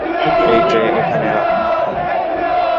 এই ট্রে এখানে রাখো।